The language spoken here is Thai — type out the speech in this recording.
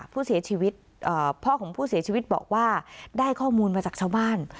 พ่อของผู้เสียชีวิตบอกว่าได้ข้อมูลมาจากชาวบ้าน